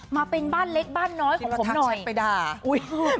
มาเป็นบ้านเล็กบ้านน้อยของผมหน่อยคิดว่าทักแชทไปด่า